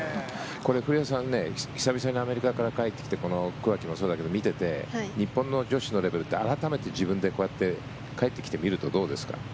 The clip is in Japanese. これ、古江さん久々にアメリカから帰ってきてこの桑木もそうだけど見ていて日本の女子のレベルって改めて、帰って自分たちで見ているとどうですか？